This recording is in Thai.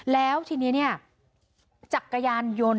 แล้วทีนี้เนี่ยจักรยานยนต์